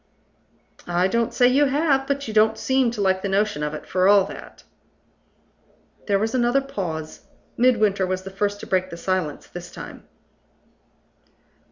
"I don't say you have. But you don't seem to like the notion of it, for all that." There was another pause. Midwinter was the first to break the silence this time.